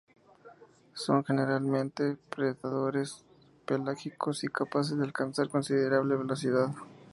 Son generalmente predadores pelágicos, y capaces de alcanzar considerable velocidad.